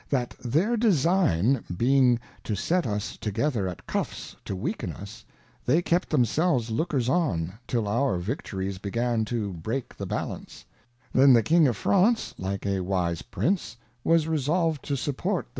That their Design being to set us together at Cuffs to weaken us, they kept themselves Lookers on till our Victories began to break the Balance ; then the King of France, like a wise Prince, waaj£SQlKedJo_sup^.Qrt.JiLe.